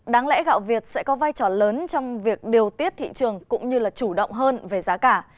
đáng lẽ gạo việt sẽ có vai trò lớn trong việc điều tiết thị trường cũng như là chủ động hơn về giá cả